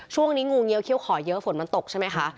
ช่วงนี้งูเงี้ยเขี้ยขอเยอะฝนมันตกใช่ไหมคะ